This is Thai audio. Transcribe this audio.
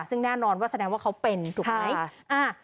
ซึ่งแน่นอนแสดงว่าเขาเป็นขิต